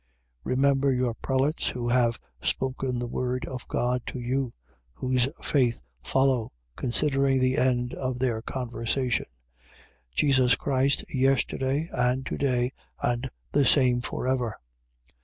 13:7. Remember your prelates who have spoken the word of God to you: whose faith follow, considering the end of their conversation, 13:8. Jesus Christ, yesterday, and today: and the same for ever.